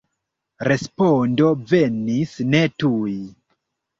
Respondo venis ne tuj.